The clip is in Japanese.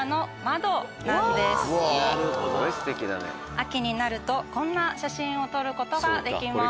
秋になるとこんな写真を撮ることができます。